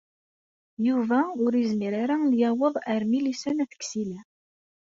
Yuba ur yezmir ara ad yaweḍ ar Milisa n At Ksila.